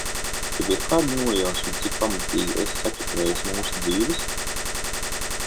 Tev ir kāda nojausma, cik pamatīgi esi sačakarējis mūsu dzīves?